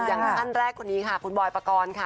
อย่างท่านแรกคนนี้ค่ะคุณบอยปกรณ์ค่ะ